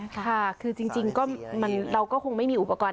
ค่ะคือจริงเราก็คงไม่มีอุปกรณ์